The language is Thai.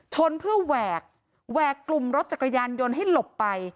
ชนเพื่อแหวกแหวกกลุ่มรถจักรยานยนต์ให้หลบไป